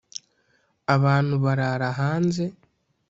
abantu barara hanze